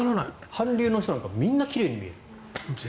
韓流の人なんかみんな奇麗に見える。